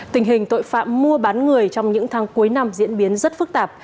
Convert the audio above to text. tình hình tội phạm mua bán người trong những tháng cuối năm diễn biến rất phức tạp